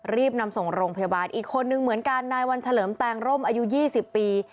รีบนำส่งโรงพยาบาลอีกคนนึงเหมือนกันนายวันเฉลิมแตงร่มอายุ๒๐ปี